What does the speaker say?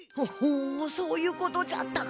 おそういうことじゃったか。